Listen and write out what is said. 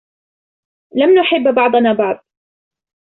لم نحب بعضنا البعض